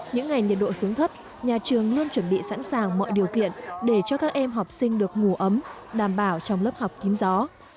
những ngày nhiệt độ xuống thấp nhà trường luôn chuẩn bị sẵn sàng mọi điều kiện để cho các em học sinh được ngủ ấm đảm bảo trong lớp học kín gió